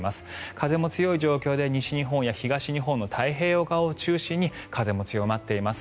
風も強い状況で西日本や東日本の太平洋側を中心に風も強まっています。